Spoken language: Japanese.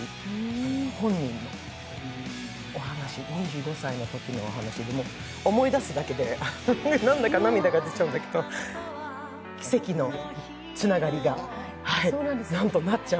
本人のお話、２５歳のときのお話で、思い出すだけでなんだか涙が出ちゃうんだけど奇跡のつながりが、なんとなっちゃん。